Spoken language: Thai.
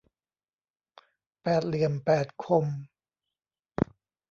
แปดเหลี่ยมแปดคม